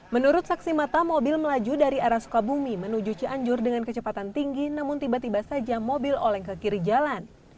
menurut saksi mata mobil melaju dari arah sukabumi menuju cianjur dengan kecepatan tinggi namun tiba tiba saja mobil oleng ke kiri jalan